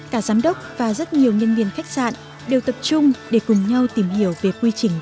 cả giám đốc và rất nhiều nhân viên khách sạn đều tập trung để cùng nhau tìm hiểu về quy trình